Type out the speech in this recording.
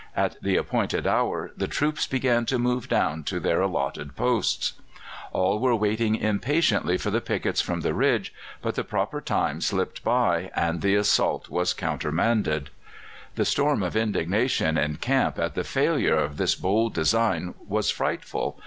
At the appointed hour the troops began to move down to their allotted posts. All were waiting impatiently for the pickets from the ridge, but the proper time slipped by, and the assault was countermanded. The storm of indignation in camp at the failure of this bold design was frightful.